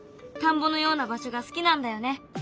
田んぼのような場所が好きなんだよね。